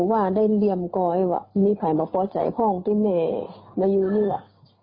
ว่าได้เหลี่ยมกอยว่ามีใครมาพอใจห้องที่แม่มาอยู่นี่แหละ